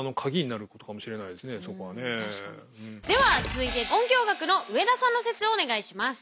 では続いて音響学の上田さんの説をお願いします。